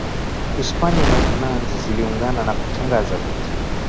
Hispania na Uholanzi ziliungana na kutangaza vita